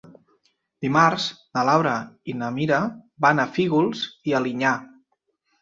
Dimarts na Laura i na Mira van a Fígols i Alinyà.